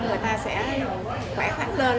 người ta sẽ khỏe khẳng lên